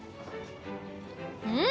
うん！